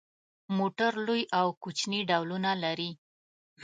موټر لوی او کوچني ډولونه لري.